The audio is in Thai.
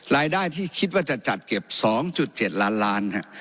รายได้ที่คิดว่าจะจัดเก็บ๒๗ล้านล้าน